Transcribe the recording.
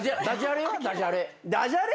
ダジャレ？